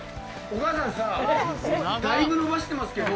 おかあさんさだいぶ伸ばしてますけど４ｍ！